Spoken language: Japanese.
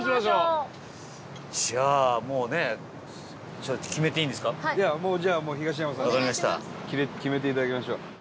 伊達：もう、じゃあ東山さんに決めていただきましょう。